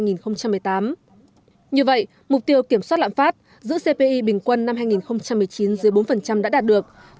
như vậy mục tiêu kiểm soát lãm phát giữa cpi bình quân năm hai nghìn một mươi chín dưới bốn đã đạt được